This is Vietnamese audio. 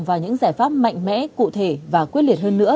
và những giải pháp mạnh mẽ cụ thể và quyết liệt hơn nữa